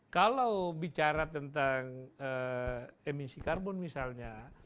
kalau bicara tentang emisi karbon misalnya